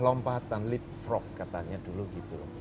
lompatan leapfrog katanya dulu gitu